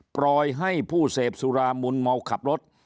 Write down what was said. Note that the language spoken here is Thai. ปล่อยให้ผู้เสพสุรามุนเมาขับรถ